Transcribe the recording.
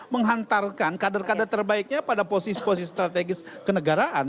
menghantarkan kader kader terbaiknya pada posisi posisi strategis kenegaraan